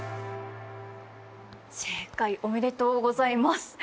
おめでとうございます。